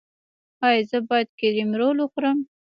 ایا زه باید کریم رول وخورم؟